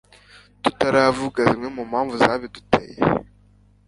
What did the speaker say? tutaravuga zimwe mumpamvu zabiduteye